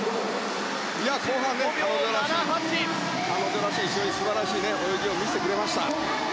後半彼女らしい素晴らしい泳ぎを見せてくれました。